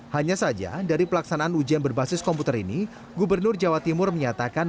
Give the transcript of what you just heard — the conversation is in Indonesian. hanya saja dari pelaksanaan ujian berbasis komputer ini gubernur jawa timur menyatakan